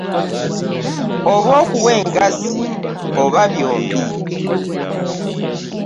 Oba okuwa engassi oba byombi.